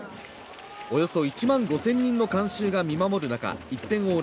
およそ１万５０００人の観衆が見守る中１点を追う